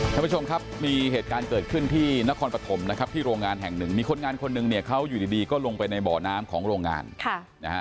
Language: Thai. ท่านผู้ชมครับมีเหตุการณ์เกิดขึ้นที่นครปฐมนะครับที่โรงงานแห่งหนึ่งมีคนงานคนหนึ่งเนี่ยเขาอยู่ดีก็ลงไปในบ่อน้ำของโรงงานค่ะนะฮะ